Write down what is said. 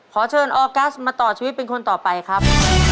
ขอเชิญออกัสมาต่อชีวิตเป็นคนต่อไปครับ